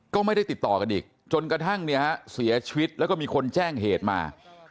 ก็ไม่ได้ติดต่อกันอีกจนกระทั่งเนี่ยฮะเสียชีวิตแล้วก็มีคนแจ้งเหตุมา